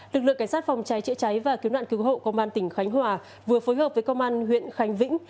lực lượng cảnh sát phòng cháy chữa cháy và cứu nạn cứu hộ công an tỉnh khánh hòa vừa phối hợp với công an huyện khánh vĩnh